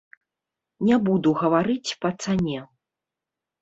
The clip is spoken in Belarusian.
Не буду гаварыць па цане.